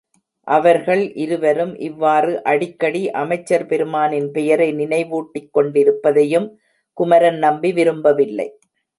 அவர்கள் இருவரும் இவ்வாறு அடிக்கடி அமைச்சர் பெருமானின் பெயரை நினைவூட்டிக்கொண்டிருப்பதையும் குமரன் நம்பி விரும்பவில்லை.